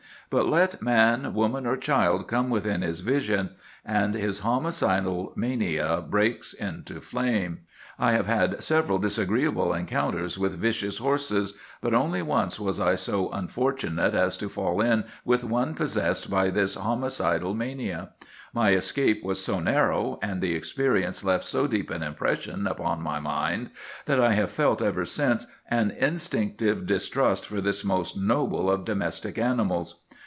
But let man, woman, or child come within his vision, and his homicidal mania breaks into flame. "I have had several disagreeable encounters with vicious horses, but only once was I so unfortunate as to fall in with one possessed by this homicidal mania. My escape was so narrow, and the experience left so deep an impression upon my mind, that I have felt ever since an instinctive distrust for this most noble of domestic animals.